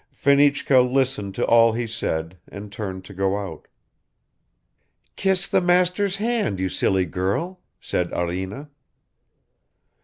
Fenichka listened to all he said and turned to go out. "Kiss the master's hand, you silly girl," said Arina.